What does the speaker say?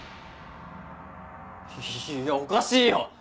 いやおかしいよ！